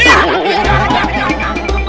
iya kejuang kejuang